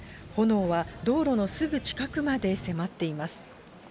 炎は道路のすぐ近くまで迫っています。